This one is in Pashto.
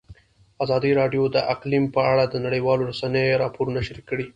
ازادي راډیو د اقلیم په اړه د نړیوالو رسنیو راپورونه شریک کړي.